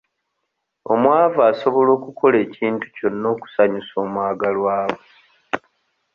Omwavu asobola okukola ekintu kyonna okusanyusa omwagalwa we.